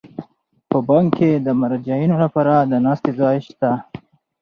په بانک کې د مراجعینو لپاره د ناستې ځای شته.